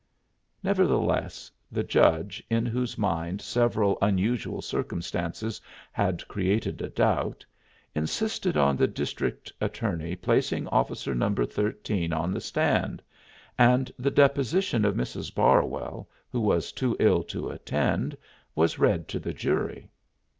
Nevertheless, the judge, in whose mind several unusual circumstances had created a doubt, insisted on the district attorney placing Officer No. 13 on the stand, and the deposition of Mrs. Barwell, who was too ill to attend, was read to the jury.